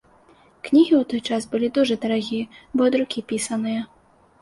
Кнігі ў той час былі дужа дарагія, бо ад рукі пісаныя.